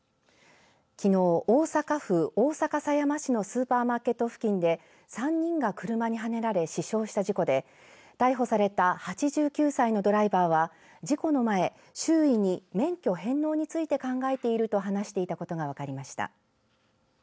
きのう、大阪府大阪狭山市のスーパーマーケット付近で３人が車にはねられ死傷した事故で逮捕された８９歳のドライバーは事故の前、周囲に免許返納について考えていると話していたことが分かりました。